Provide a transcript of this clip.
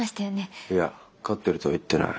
いや飼ってるとは言ってない。